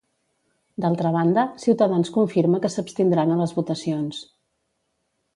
D'altra banda, Ciutadans confirma que s'abstindran a les votacions.